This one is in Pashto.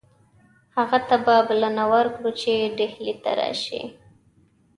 هغه ته به بلنه ورکړو چې ډهلي ته راشي.